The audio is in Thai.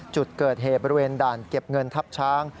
จุดเกิดเหตุบริเวณด่านเก็บเงินทับช้าง